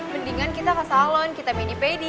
mendingan kita ke salon kita mini pady